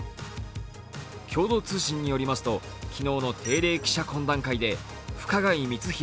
共同通信によりますと昨日の定例記者懇談会で深谷光浩